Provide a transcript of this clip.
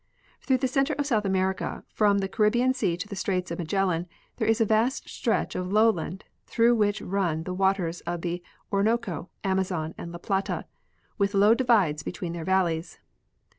Through the center of South America, from the Caribbean sea to the straits of Magellan, there is a vast stretch of lowland through which run the waters of the Orinoco, Amazon and la Plata, with low divides between their valle5^s.